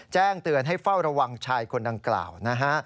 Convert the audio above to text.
แจ้งเตือนให้เฝ้าระวังชายคนดังกล่าวนะฮะ